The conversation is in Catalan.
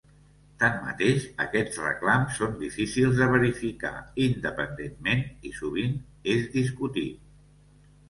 Tanmateix, aquests reclams són difícils de verificar independentment i sovint és discutit.